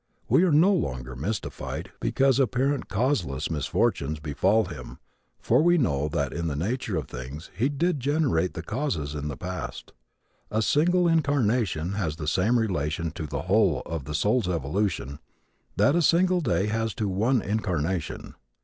We are no longer mystified because apparent causeless misfortunes befall him for we know that in the nature of things he did generate the causes in the past. A single incarnation has the same relation to the whole of the soul's evolution that a single day has to one incarnation.